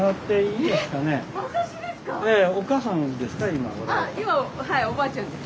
今はいおばあちゃんです。